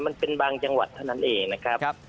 มันเป็นบางจังหวัดเท่านั้นเองนะครับ